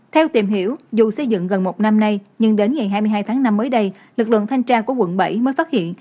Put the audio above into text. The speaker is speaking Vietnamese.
theo tìm hiểu dù xây dựng gần một năm nay nhưng đến ngày hai mươi hai tháng năm mới đây lực lượng thanh tra của quận bảy mới phát hiện